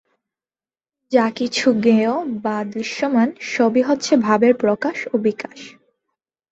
যা কিছু জ্ঞেয় বা দৃশ্যমান সবই হচ্ছে ভাবের প্রকাশ ও বিকাশ।